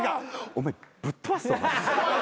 お前ぶっ飛ばすぞ。